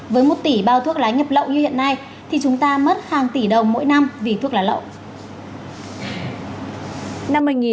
với một tỷ bao thuốc lá nhập lậu như hiện nay thì chúng ta mất hàng tỷ đồng mỗi năm vì thuốc lá lậu